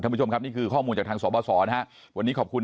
ท่านผู้ชมนี้คือข้อมูลจากทางศบ่าวศครับวันนี้ขอบคุณ